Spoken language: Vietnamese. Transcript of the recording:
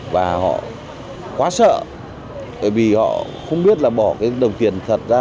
và họ quá sợ bởi vì họ không biết là bỏ cái đồng tiền thật ra